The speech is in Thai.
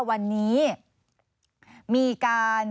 สวัสดีครับ